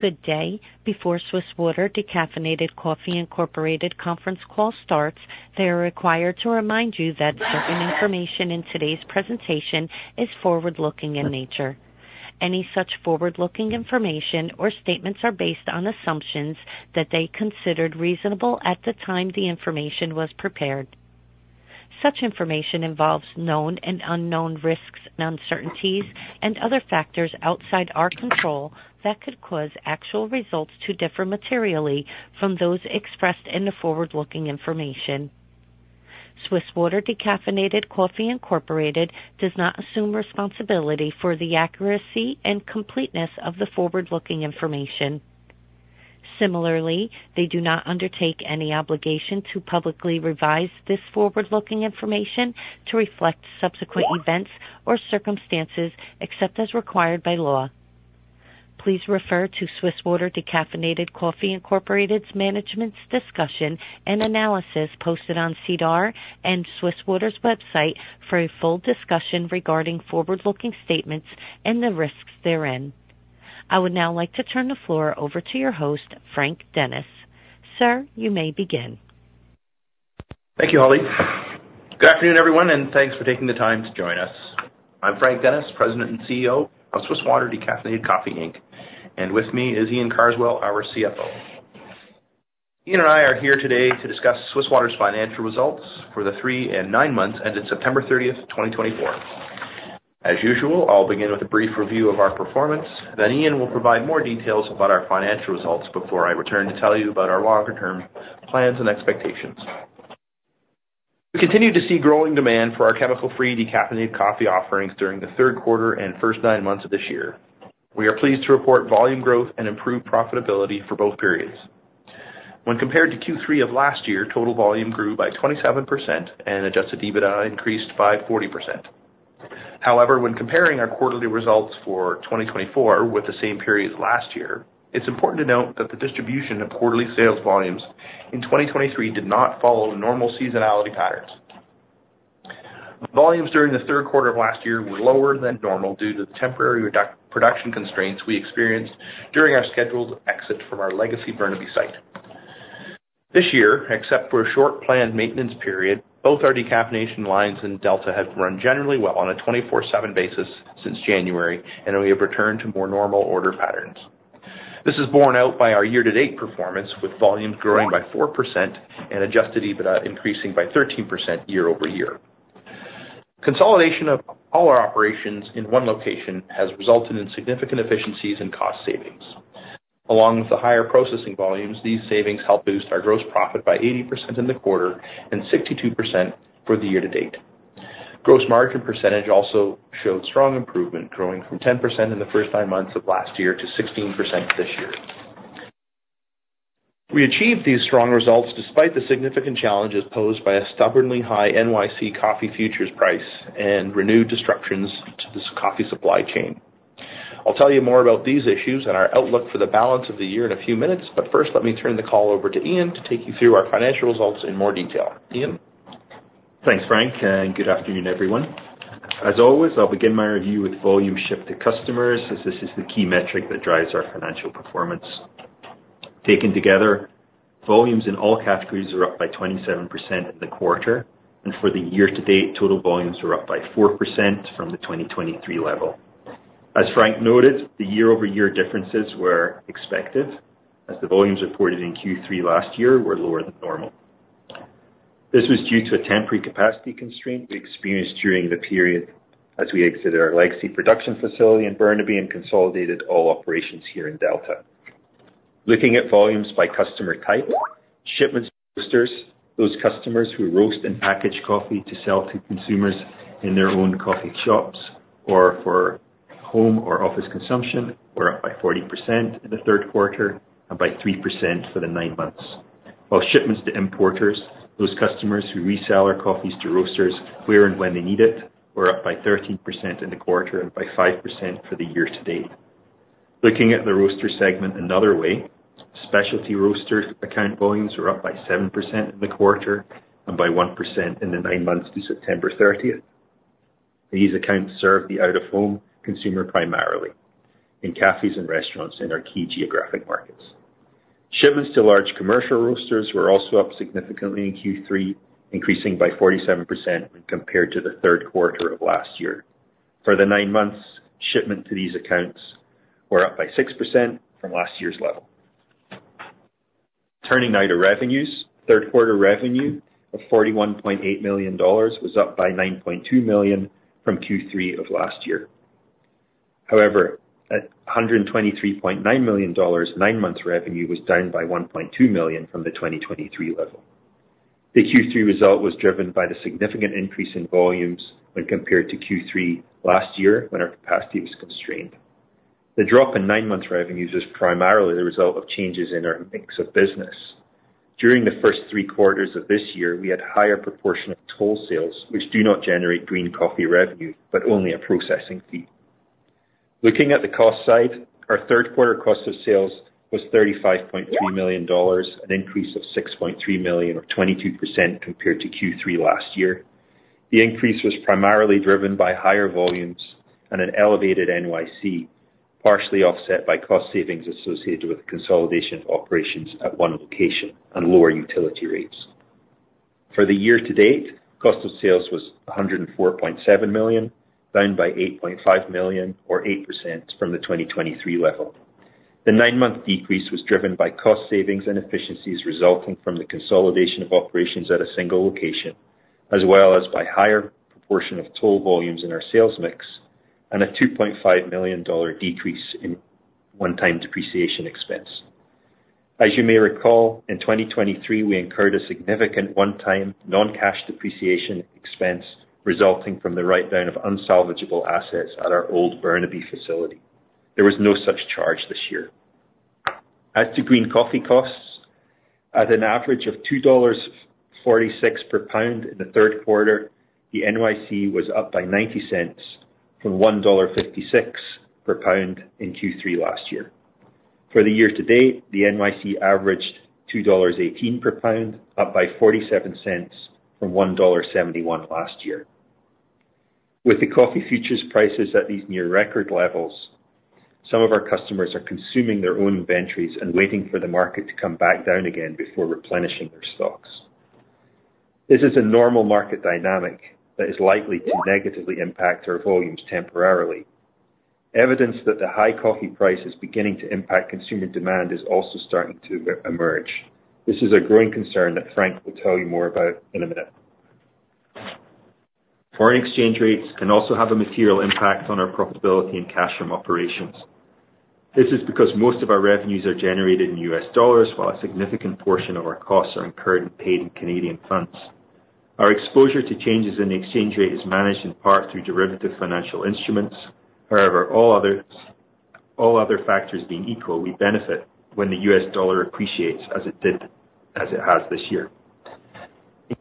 Good day. Before Swiss Water Decaffeinated Coffee, Incorporated conference call starts, they are required to remind you that certain information in today's presentation is forward-looking in nature. Any such forward-looking information or statements are based on assumptions that they considered reasonable at the time the information was prepared. Such information involves known and unknown risks, uncertainties, and other factors outside our control that could cause actual results to differ materially from those expressed in the forward-looking information. Swiss Water Decaffeinated Coffee, Incorporated, does not assume responsibility for the accuracy and completeness of the forward-looking information. Similarly, they do not undertake any obligation to publicly revise this forward-looking information to reflect subsequent events or circumstances except as required by law. Please refer to Swiss Water Decaffeinated Coffee, Incorporated's management's discussion and analysis posted on SEDAR and Swiss Water's website for a full discussion regarding forward-looking statements and the risks therein. I would now like to turn the floor over to your host, Frank Dennis. Sir, you may begin. Thank you, Holly. Good afternoon, everyone, and thanks for taking the time to join us. I'm Frank Dennis, President and CEO of Swiss Water Decaffeinated Coffee, Inc., and with me is Iain Carswell, our CFO. Iain and I are here today to discuss Swiss Water's financial results for the three and nine months ended September 30th, 2024. As usual, I'll begin with a brief review of our performance, then Iain will provide more details about our financial results before I return to tell you about our longer-term plans and expectations. We continue to see growing demand for our chemical-free decaffeinated coffee offerings during the third quarter and first nine months of this year. We are pleased to report volume growth and improved profitability for both periods. When compared to Q3 of last year, total volume grew by 27%, and Adjusted EBITDA increased by 40%. However, when comparing our quarterly results for 2024 with the same period as last year, it's important to note that the distribution of quarterly sales volumes in 2023 did not follow normal seasonality patterns. Volumes during the third quarter of last year were lower than normal due to the temporary production constraints we experienced during our scheduled exit from our legacy Burnaby site. This year, except for a short planned maintenance period, both our decaffeination lines and Delta have run generally well on a 24/7 basis since January, and we have returned to more normal order patterns. This is borne out by our year-to-date performance, with volumes growing by 4% and Adjusted EBITDA increasing by 13% year-over-year. Consolidation of all our operations in one location has resulted in significant efficiencies and cost savings. Along with the higher processing volumes, these savings help boost our gross profit by 80% in the quarter and 62% for the year-to-date. Gross margin percentage also showed strong improvement, growing from 10% in the first nine months of last year to 16% this year. We achieved these strong results despite the significant challenges posed by a stubbornly high NYC coffee futures price and renewed disruptions to this coffee supply chain. I'll tell you more about these issues and our outlook for the balance of the year in a few minutes, but first, let me turn the call over to Iain to take you through our financial results in more detail. Iain? Thanks, Frank, and good afternoon, everyone. As always, I'll begin my review with volume shipped to customers, as this is the key metric that drives our financial performance. Taken together, volumes in all categories are up by 27% in the quarter, and for the year-to-date, total volumes are up by 4% from the 2023 level. As Frank noted, the year-over-year differences were expected, as the volumes reported in Q3 last year were lower than normal. This was due to a temporary capacity constraint we experienced during the period as we exited our legacy production facility in Burnaby and consolidated all operations here in Delta. Looking at volumes by customer type, shipments, and roasters, those customers who roast and package coffee to sell to consumers in their own coffee shops or for home or office consumption were up by 40% in the third quarter and by 3% for the nine months. While shipments to importers, those customers who resell our coffees to roasters where and when they need it, were up by 13% in the quarter and by 5% for the year-to-date. Looking at the roaster segment another way, specialty roaster account volumes were up by 7% in the quarter and by 1% in the nine months to September 30th. These accounts serve the out-of-home consumer primarily in cafes and restaurants in our key geographic markets. Shipments to large commercial roasters were also up significantly in Q3, increasing by 47% when compared to the third quarter of last year. For the nine months, shipment to these accounts were up by 6% from last year's level. Turning now to revenues, third-quarter revenue of 41.8 million dollars was up by 9.2 million from Q3 of last year. However, 123.9 million dollars nine-month revenue was down by 1.2 million from the 2023 level. The Q3 result was driven by the significant increase in volumes when compared to Q3 last year when our capacity was constrained. The drop in nine-month revenues is primarily the result of changes in our mix of business. During the first three quarters of this year, we had a higher proportion of toll sales, which do not generate green coffee revenue but only a processing fee. Looking at the cost side, our third-quarter cost of sales was 35.3 million dollars, an increase of 6.3 million, or 22% compared to Q3 last year. The increase was primarily driven by higher volumes and an elevated NYC, partially offset by cost savings associated with consolidation operations at one location and lower utility rates. For the year-to-date, cost of sales was 104.7 million, down by 8.5 million, or 8% from the 2023 level. The nine-month decrease was driven by cost savings and efficiencies resulting from the consolidation of operations at a single location, as well as by a higher proportion of toll volumes in our sales mix and a 2.5 million dollar decrease in one-time depreciation expense. As you may recall, in 2023, we incurred a significant one-time non-cash depreciation expense resulting from the write-down of unsalvageable assets at our old Burnaby facility. There was no such charge this year. As to green coffee costs, at an average of $2.46 per pound in the third quarter, the NYC was up by $0.90 from $1.56 per pound in Q3 last year. For the year-to-date, the NYC averaged $2.18 per pound, up by $0.47 from $1.71 last year. With the coffee futures prices at these near-record levels, some of our customers are consuming their own inventories and waiting for the market to come back down again before replenishing their stocks. This is a normal market dynamic that is likely to negatively impact our volumes temporarily. Evidence that the high coffee price is beginning to impact consumer demand is also starting to emerge. This is a growing concern that Frank will tell you more about in a minute. Foreign exchange rates can also have a material impact on our profitability and cash from operations. This is because most of our revenues are generated in U.S. dollars, while a significant portion of our costs are incurred and paid in Canadian funds. Our exposure to changes in the exchange rate is managed in part through derivative financial instruments. However, all other factors being equal, we benefit when the US dollar appreciates as it has this year.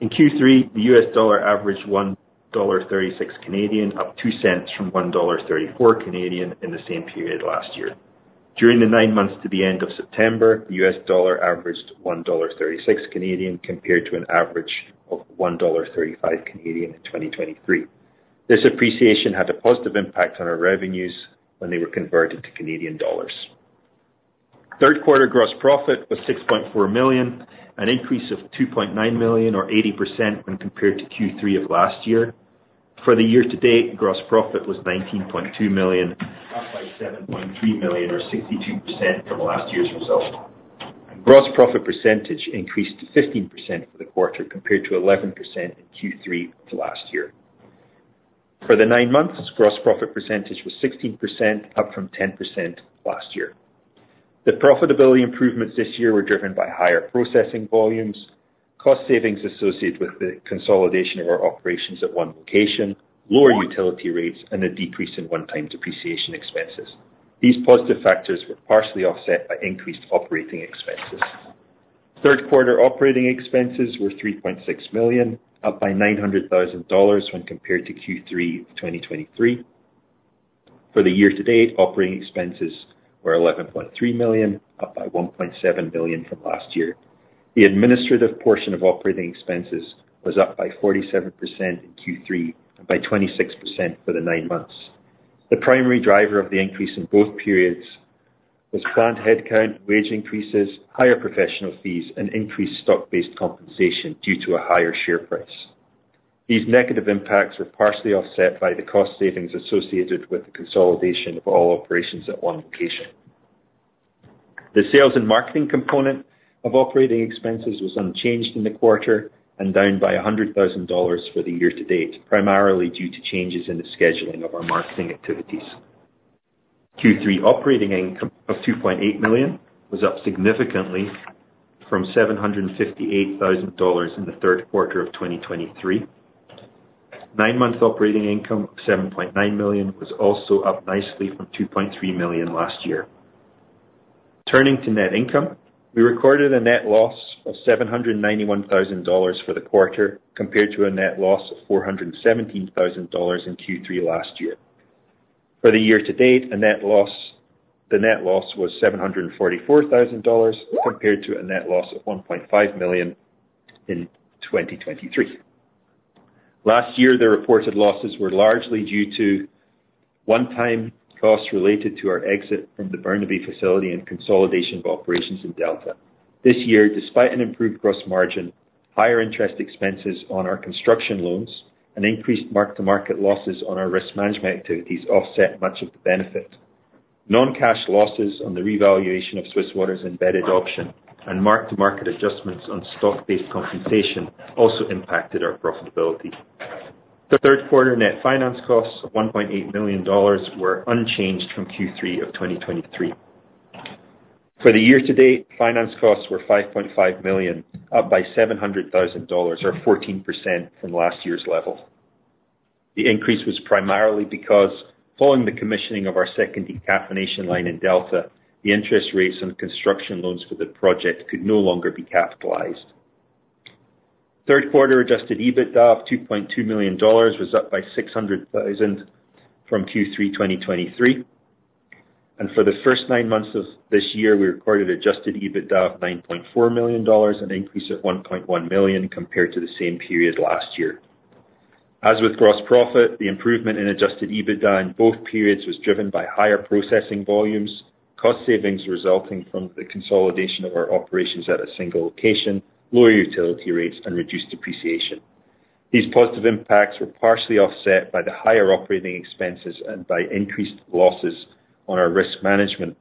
In Q3, the U.S. dollar averaged 1.36 dollar, up $0.02 from 1.34 dollar in the same period last year. During the nine months to the end of September, the U.S. dollar averaged 1.36 Canadian dollars compared to an average of 1.35 Canadian dollars in 2023. This appreciation had a positive impact on our revenues when they were converted to Canadian dollars. Third-quarter gross profit was 6.4 million, an increase of 2.9 million, or 80% when compared to Q3 of last year. For the year-to-date, gross profit was 19.2 million, up by 7.3 million, or 62% from last year's result. Gross profit percentage increased 15% for the quarter compared to 11% in Q3 of last year. For the nine months, gross profit percentage was 16%, up from 10% last year. The profitability improvements this year were driven by higher processing volumes, cost savings associated with the consolidation of our operations at one location, lower utility rates, and a decrease in one-time depreciation expenses. These positive factors were partially offset by increased operating expenses. Third-quarter operating expenses were 3.6 million, up by 900,000 dollars when compared to Q3 of 2023. For the year-to-date, operating expenses were 11.3 million, up by 1.7 million from last year. The administrative portion of operating expenses was up by 47% in Q3 and by 26% for the nine months. The primary driver of the increase in both periods was planned headcount, wage increases, higher professional fees, and increased stock-based compensation due to a higher share price. These negative impacts were partially offset by the cost savings associated with the consolidation of all operations at one location. The sales and marketing component of operating expenses was unchanged in the quarter and down by 100,000 dollars for the year-to-date, primarily due to changes in the scheduling of our marketing activities. Q3 operating income of 2.8 million was up significantly from 758,000 dollars in the third quarter of 2023. Nine-month operating income of 7.9 million was also up nicely from 2.3 million last year. Turning to net income, we recorded a net loss of 791,000 dollars for the quarter compared to a net loss of 417,000 dollars in Q3 last year. For the year-to-date, the net loss was 744,000 dollars compared to a net loss of 1.5 million in 2023. Last year, the reported losses were largely due to one-time costs related to our exit from the Burnaby facility and consolidation of operations in Delta. This year, despite an improved gross margin, higher interest expenses on our construction loans and increased mark-to-market losses on our risk management activities offset much of the benefit. Non-cash losses on the revaluation of Swiss Water's embedded option and mark-to-market adjustments on stock-based compensation also impacted our profitability. The third-quarter net finance costs of 1.8 million dollars were unchanged from Q3 of 2023. For the year-to-date, finance costs were 5.5 million, up by 700,000 dollars, or 14% from last year's level. The increase was primarily because, following the commissioning of our second decaffeination line in Delta, the interest rates on construction loans for the project could no longer be capitalized. Third-quarter Adjusted EBITDA of 2.2 million dollars was up by 600,000 from Q3 2023. For the first nine months of this year, we recorded Adjusted EBITDA of 9.4 million dollars and an increase of 1.1 million compared to the same period last year. As with gross profit, the improvement in Adjusted EBITDA in both periods was driven by higher processing volumes, cost savings resulting from the consolidation of our operations at a single location, lower utility rates, and reduced depreciation. These positive impacts were partially offset by the higher operating expenses and by increased losses on our risk management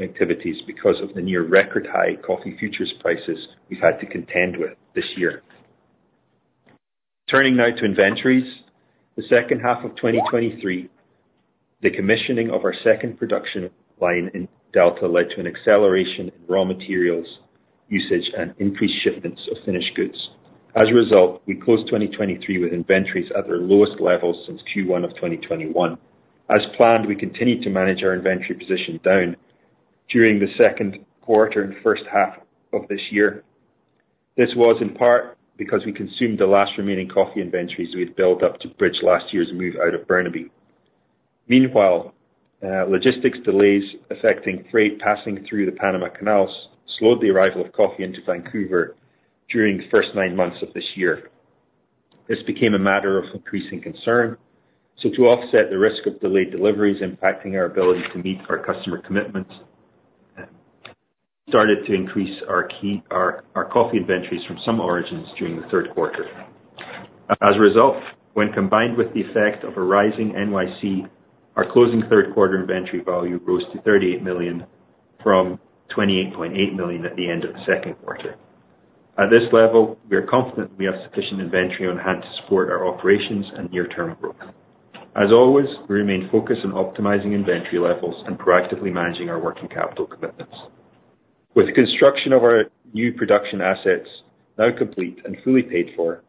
activities because of the near-record high coffee futures prices we've had to contend with this year. Turning now to inventories, the second half of 2023, the commissioning of our second production line in Delta led to an acceleration in raw materials usage and increased shipments of finished goods. As a result, we closed 2023 with inventories at their lowest level since Q1 of 2021. As planned, we continued to manage our inventory position down during the second quarter and first half of this year. This was in part because we consumed the last remaining coffee inventories we had built up to bridge last year's move out of Burnaby. Meanwhile, logistics delays affecting freight passing through the Panama Canal slowed the arrival of coffee into Vancouver during the first nine months of this year. This became a matter of increasing concern. So, to offset the risk of delayed deliveries impacting our ability to meet our customer commitments, we started to increase our coffee inventories from some origins during the third quarter. As a result, when combined with the effect of a rising NYC, our closing third-quarter inventory volume rose to 38 million from 28.8 million at the end of the second quarter. At this level, we are confident we have sufficient inventory on hand to support our operations and near-term growth. As always, we remain focused on optimizing inventory levels and proactively managing our working capital commitments. With construction of our new production assets now complete and fully paid for,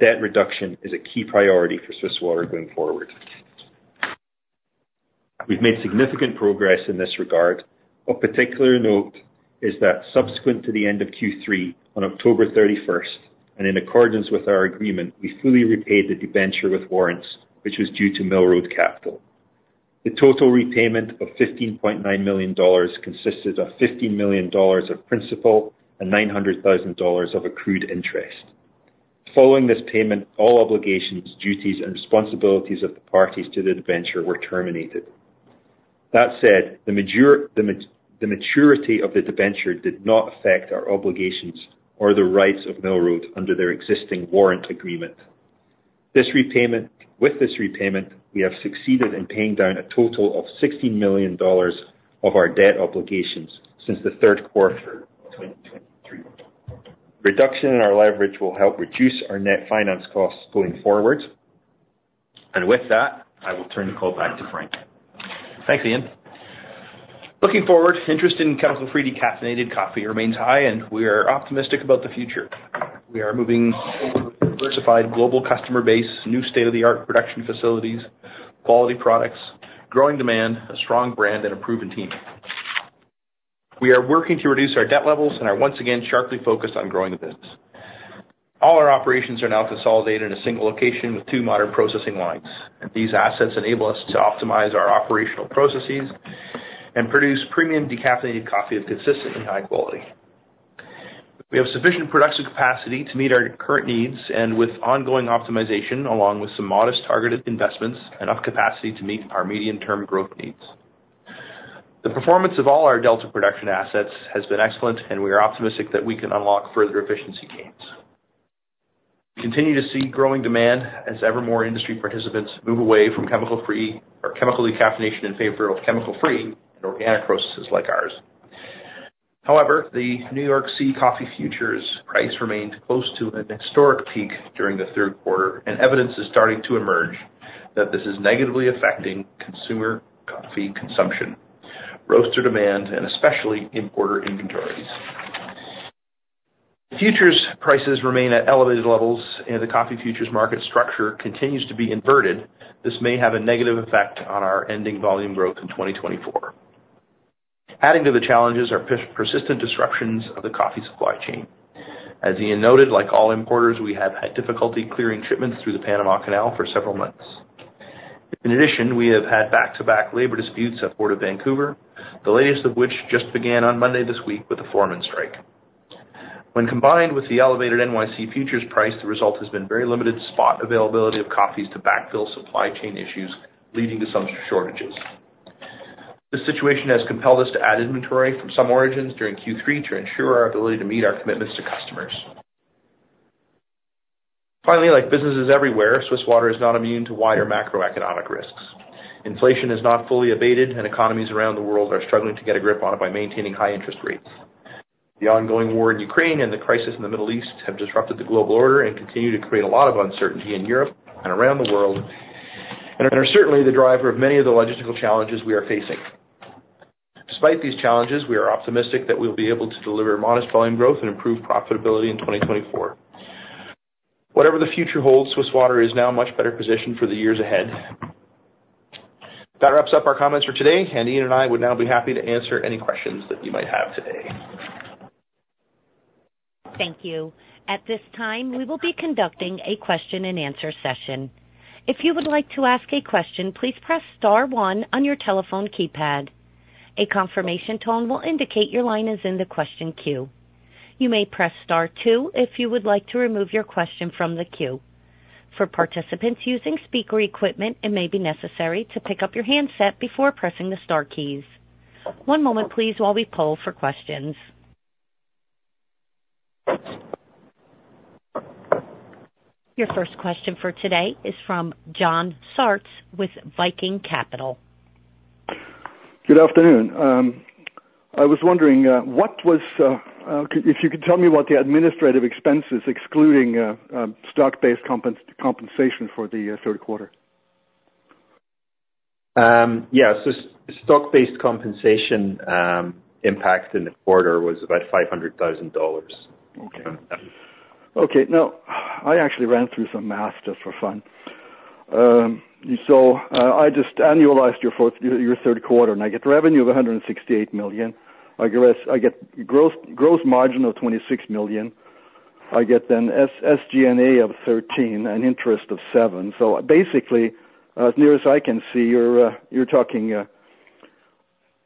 debt reduction is a key priority for Swiss Water going forward. We've made significant progress in this regard. Of particular note is that subsequent to the end of Q3, on October 31st, and in accordance with our agreement, we fully repaid the debenture with warrants, which was due to Mill Road Capital. The total repayment of 15.9 million dollars consisted of 15 million dollars of principal and 900,000 dollars of accrued interest. Following this payment, all obligations, duties, and responsibilities of the parties to the debenture were terminated. That said, the maturity of the debenture did not affect our obligations or the rights of Mill Road under their existing warrant agreement. With this repayment, we have succeeded in paying down a total of 16 million dollars of our debt obligations since the third quarter of 2023. Reduction in our leverage will help reduce our net finance costs going forward. And with that, I will turn the call back to Frank. Thanks, Iain. Looking forward, interest in chemical-free decaffeinated coffee remains high, and we are optimistic about the future. We are moving towards a diversified global customer base, new state-of-the-art production facilities, quality products, growing demand, a strong brand, and a proven team. We are working to reduce our debt levels and are once again sharply focused on growing the business. All our operations are now consolidated in a single location with two modern processing lines. These assets enable us to optimize our operational processes and produce premium decaffeinated coffee of consistently high quality. We have sufficient production capacity to meet our current needs and, with ongoing optimization, along with some modest targeted investments, enough capacity to meet our medium-term growth needs. The performance of all our Delta production assets has been excellent, and we are optimistic that we can unlock further efficiency gains. We continue to see growing demand as ever more industry participants move away from chemical-free or chemical decaffeination in favor of chemical-free and organic processes like ours. However, the New York C Coffee Futures price remained close to a historic peak during the third quarter, and evidence is starting to emerge that this is negatively affecting consumer coffee consumption, roaster demand, and especially importer inventories. Futures prices remain at elevated levels, and the coffee futures market structure continues to be inverted. This may have a negative effect on our ending volume growth in 2024. Adding to the challenges are persistent disruptions of the coffee supply chain. As Iain noted, like all importers, we have had difficulty clearing shipments through the Panama Canal for several months. In addition, we have had back-to-back labor disputes at Port of Vancouver, the latest of which just began on Monday this week with a foreman strike. When combined with the elevated NYC futures price, the result has been very limited spot availability of coffees to backfill supply chain issues, leading to some shortages. This situation has compelled us to add inventory from some origins during Q3 to ensure our ability to meet our commitments to customers. Finally, like businesses everywhere, Swiss Water is not immune to wider macroeconomic risks. Inflation has not fully abated, and economies around the world are struggling to get a grip on it by maintaining high interest rates. The ongoing war in Ukraine and the crisis in the Middle East have disrupted the global order and continue to create a lot of uncertainty in Europe and around the world, and are certainly the driver of many of the logistical challenges we are facing. Despite these challenges, we are optimistic that we will be able to deliver modest volume growth and improve profitability in 2024. Whatever the future holds, Swiss Water is now much better positioned for the years ahead. That wraps up our comments for today, and Iain and I would now be happy to answer any questions that you might have today. Thank you. At this time, we will be conducting a question-and-answer session. If you would like to ask a question, please press star one on your telephone keypad. A confirmation tone will indicate your line is in the question queue. You may press star two if you would like to remove your question from the queue. For participants using speaker equipment, it may be necessary to pick up your handset before pressing the star keys. One moment, please, while we poll for questions. Your first question for today is from John Sartz with Viking Capital. Good afternoon. I was wondering if you could tell me about the administrative expenses excluding stock-based compensation for the third quarter. Yeah. So stock-based compensation impact in the quarter was about $500,000. Okay. Okay. Now, I actually ran through some math just for fun. So I just annualized your third quarter, and I get revenue of 168 million. I get gross margin of 26 million. I get then SG&A of 13 and interest of 7. So basically, as near as I can see, you're talking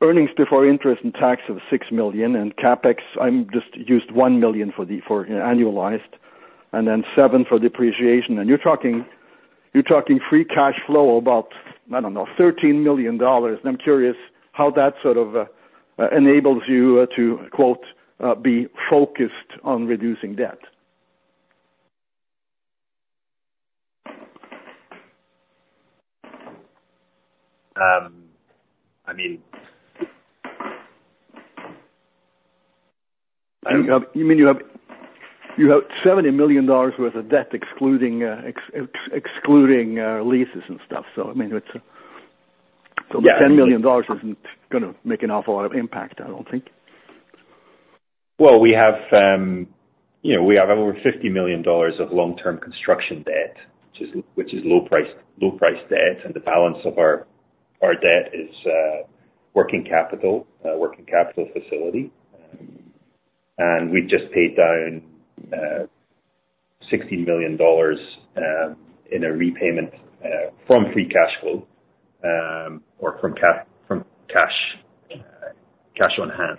earnings before interest and tax of 6 million, and CapEx. I just used one million for annualized and then seven for depreciation. And you're talking free cash flow of about, I don't know, 13 million dollars. And I'm curious how that sort of enables you to, quote, be focused on reducing debt. I mean, you have 70 million dollars worth of debt excluding leases and stuff. So I mean, so 10 million dollars isn't going to make an awful lot of impact, I don't think. Well, we have over 50 million dollars of long-term construction debt, which is low-price debt, and the balance of our debt is working capital, working capital facility. And we've just paid down 16 million dollars in a repayment from free cash flow or from cash on hand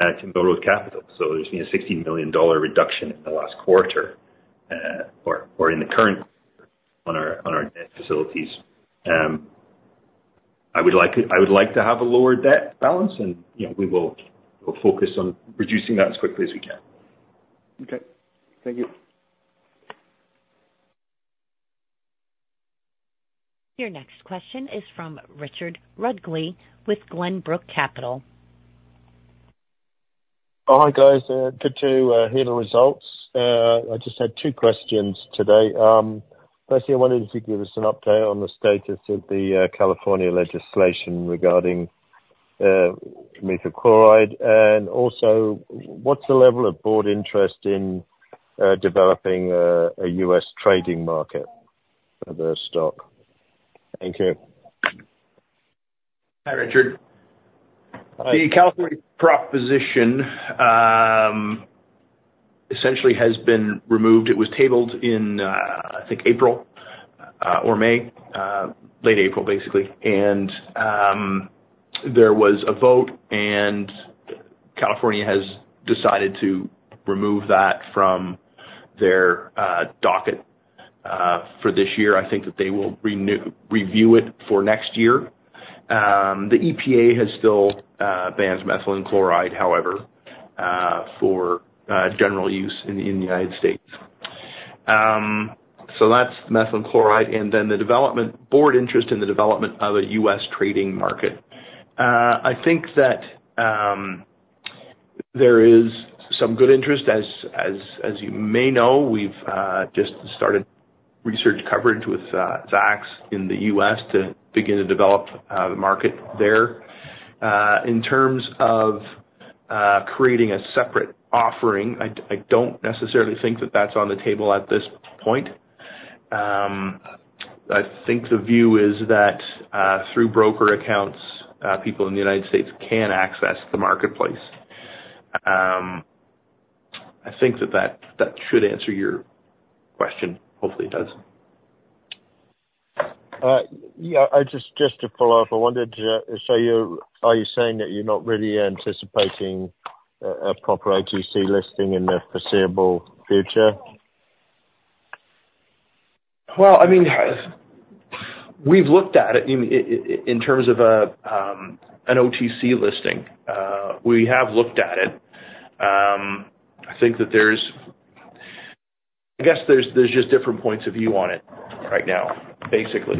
at Mill Road Capital. So there's been a $16 million reduction in the last quarter or in the current quarter on our debt facilities. I would like to have a lower debt balance, and we will focus on reducing that as quickly as we can. Okay. Thank you. Your next question is from Richard Rudgley with Glenrock Capital. Hi, guys. Good to hear the results. I just had two questions today. Firstly, I wanted to give us an update on the status of the California legislation regarding methylene chloride. And also, what's the level of board interest in developing a U.S. trading market for the stock? Thank you. Hi, Richard. The California proposition essentially has been removed. It was tabled in, I think, April or May, late April, basically. And there was a vote, and California has decided to remove that from their docket for this year. I think that they will review it for next year. The EPA has still banned methylene chloride, however, for general use in the United States. So that's methylene chloride, and then the board's interest in the development of a U.S. trading market. I think that there is some good interest. As you may know, we've just started research coverage with Zacks in the U.S. to begin to develop the market there. In terms of creating a separate offering, I don't necessarily think that that's on the table at this point. I think the view is that through broker accounts, people in the United States can access the marketplace. I think that that should answer your question. Hopefully, it does. Yeah. Just to follow up, I wanted to show you, are you saying that you're not really anticipating a proper OTC listing in the foreseeable future? Well, I mean, we've looked at it in terms of an OTC listing. We have looked at it. I think that there's, I guess, there's just different points of view on it right now, basically.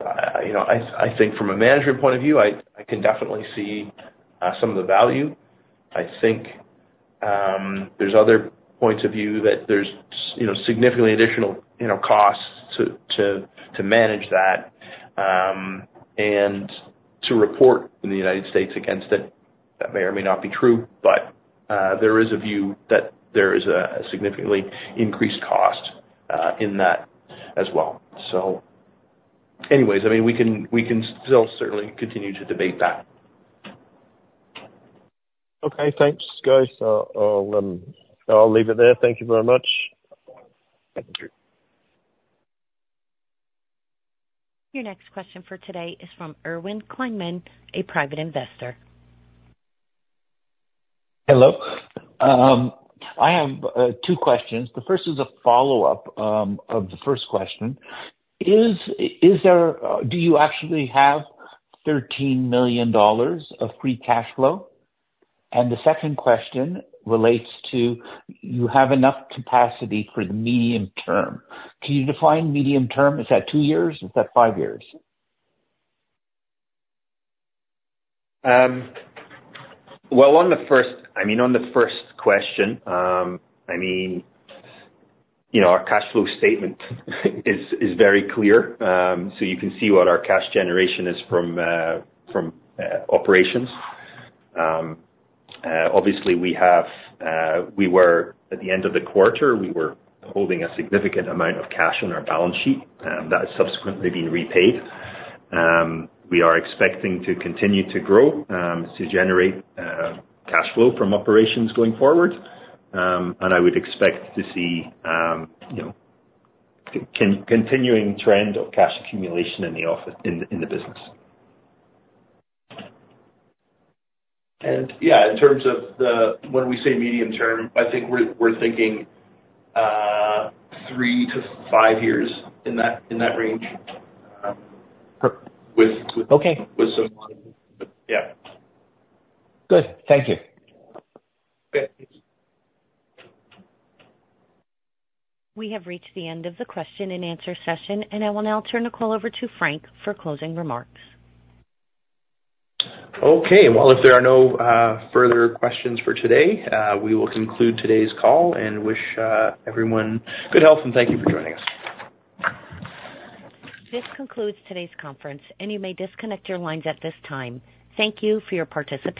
I think from a management point of view, I can definitely see some of the value. I think there's other points of view that there's significantly additional costs to manage that and to report in the United States against it. That may or may not be true, but there is a view that there is a significantly increased cost in that as well. So anyways, I mean, we can still certainly continue to debate that. Okay. Thanks, guys. I'll leave it there. Thank you very much. Thank you. Your next question for today is from Erwin Kleinman, a private investor. Hello. I have two questions. The first is a follow-up of the first question. Do you actually have $13 million of free cash flow? And the second question relates to, do you have enough capacity for the medium term? Can you define medium term? Is that two years? Is that five years? Well, I mean, on the first question, I mean, our cash flow statement is very clear. So you can see what our cash generation is from operations. Obviously, at the end of the quarter, we were holding a significant amount of cash on our balance sheet that has subsequently been repaid. We are expecting to continue to grow to generate cash flow from operations going forward. And I would expect to see a continuing trend of cash accumulation in the business. And yeah, in terms of when we say medium term, I think we're thinking three to five years in that range. Yeah. Okay, good. Thank you. Okay. We have reached the end of the question-and-answer session, and I will now turn the call over to Frank for closing remarks. Okay. Well, if there are no further questions for today, we will conclude today's call and wish everyone good health and thank you for joining us. This concludes today's conference, and you may disconnect your lines at this time. Thank you for your participation.